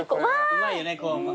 うまいよね。